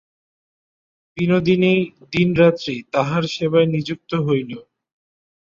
বিনোদিনী দিনরাত্রি তাঁহার সেবায় নিযুক্ত হইল।